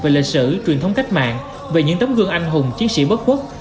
về lịch sử truyền thống cách mạng về những tấm gương anh hùng chiến sĩ bất khuất